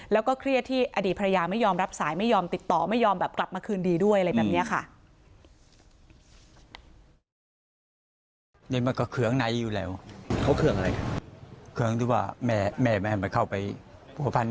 แล้วก็เครียดที่อดีตภรรยาไม่ยอมรับสายไม่ยอมติดต่อไม่ยอมแบบกลับมาคืนดีด้วยอะไรแบบนี้ค่ะ